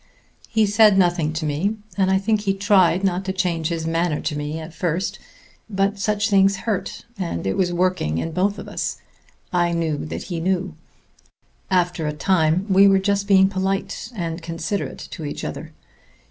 He said nothing to me, and I think he tried not to change in his manner to me at first; but such things hurt and it was working in both of us. I knew that he knew. After a time we were just being polite and considerate to each other.